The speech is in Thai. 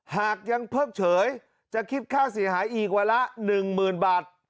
หากยังเพิ่งเฉยจะคิดค่าเสียหายอีกวันละ๑๐๐๐บาท